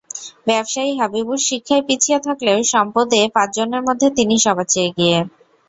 ব্যবসায়ী হাবিবুর শিক্ষায় পিছিয়ে থাকলেও সম্পদে পাঁচজনের মধ্যে তিনি সবার চেয়ে এগিয়ে।